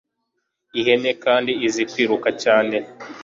ihene kandi izi kwiruka cyane